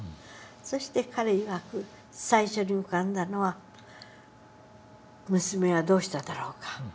そして彼いわく最初に浮かんだのは「娘はどうしただろうか。